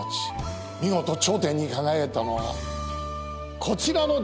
見事頂点に輝いたのはこちらの城下町です。